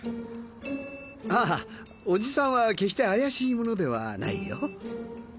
あオジさんは決して怪しい者ではないよ。